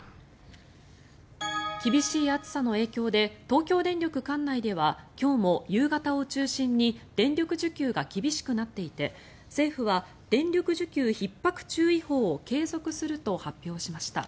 厳しい暑さの影響で東京電力管内では今日も夕方を中心に電力需給が厳しくなっていて政府は電力需給ひっ迫注意報を継続すると発表しました。